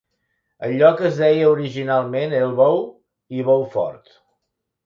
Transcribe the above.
El lloc es deia originalment Elbow i Bow Fort.